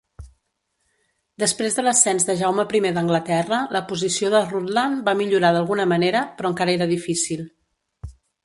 Després de l'ascens de Jaume I d'Anglaterra, la posició de Rutland va millorar d'alguna manera, però encara era difícil.